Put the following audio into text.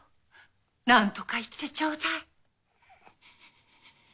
なんとか言ってちょうだい。